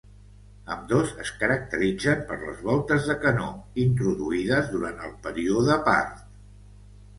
Ambdós es caracteritzen per les voltes de canó, introduïdes durant el període part.